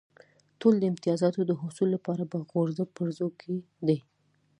ټول د امتیازاتو د حصول لپاره په غورځو پرځو کې دي.